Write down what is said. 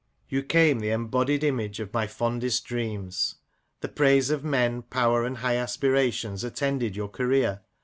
You came the embodied image of my fondest dreams. The praise of men, power and high aspira tions attended your career.